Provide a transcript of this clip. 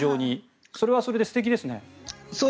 それはそれで素敵ですね。